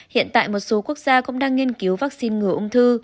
hiện tại một số quốc gia cũng đang nghiên cứu vắc xin ngừa ung thư